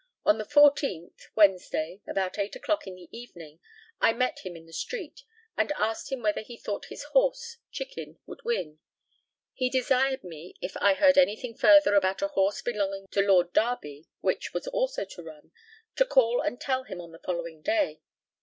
On the 14th (Wednesday), about eight o'clock in the evening, I met him in the street, and asked him whether he thought his horse Chicken would win? He desired me, if I heard anything further about a horse belonging to Lord Derby, which was also to run, to call and tell him on the following day.